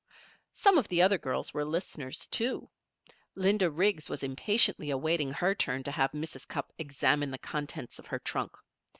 Some of the other girls were listeners, too. Linda Riggs was impatiently awaiting her turn to have Mrs. Cupp examine the contents of her trunk.